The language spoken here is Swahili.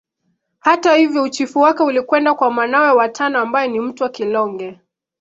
Hata hivyo uchifu wake ulikwenda kwa mwanawe wa tano ambaye ni Mtwa Kilonge